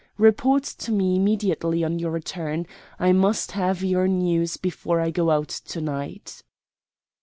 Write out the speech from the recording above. Report to me immediately on your return. I must have your news before I go out to night."